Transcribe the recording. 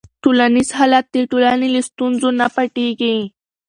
ټولنیز حالت د ټولنې له ستونزو نه پټيږي.